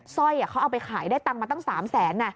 สร้อยเขาเอาไปขายได้ตังค์มาตั้ง๓แสน